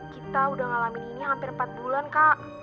kita udah ngalamin ini hampir empat bulan kak